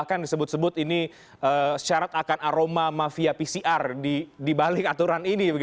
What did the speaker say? bahkan disebut sebut ini syarat akan aroma mafia pcr di balik aturan ini